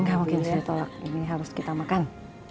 enggak mungkin bisa ditolak ini harus kita makan